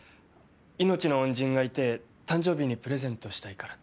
命の恩人がいて誕生日にプレゼントしたいからって。